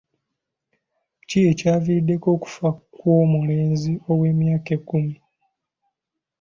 Ki ekyaviiriddeko okufa kw'omulenzi ow'emyaka ekkumi?